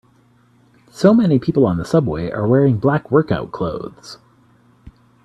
So many people on the subway are wearing black workout clothes.